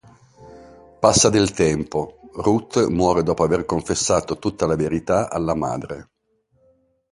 Passa del tempo: Ruth muore dopo aver confessato tutta la verità alla madre.